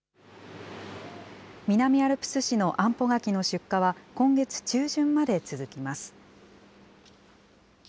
南アルプス市のあんぽ柿の出荷は、今月中旬まで続きます。